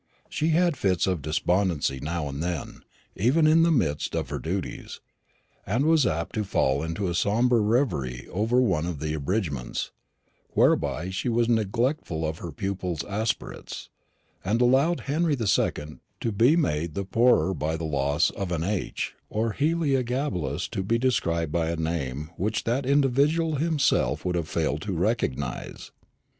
She had fits of despondency now and then, even in the midst of her duties, and was apt to fall into a sombre reverie over one of the abridgments, whereby she was neglectful of her pupils' aspirates, and allowed Henry the Second to be made the poorer by the loss of an H, or Heliogabalus to be described by a name which that individual himself would have failed to recognise.